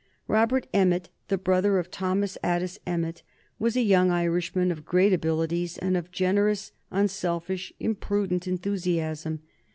Robert Emmet, the brother of Thomas Addis Emmet, was a young Irishman of great abilities and of generous, unselfish, imprudent enthusiasm.